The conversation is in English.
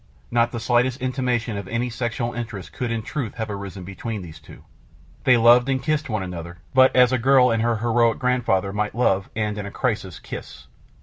Not the slightest intimation of any sexual interest could in truth have arisen between these two. They loved and kissed one another, but as a girl and her heroic grandfather might love, and in a crisis kiss.